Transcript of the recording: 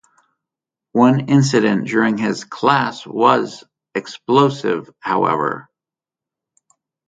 One incident during his class was explosive, however.